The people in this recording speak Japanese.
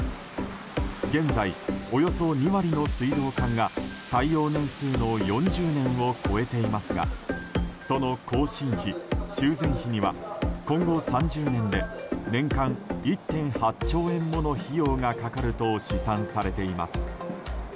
現在、およそ２割の水道管が耐用年数の４０年を超えていますがその更新費・修繕費には今後３０年で年間１．８兆円もの費用がかかると試算されています。